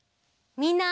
みんな。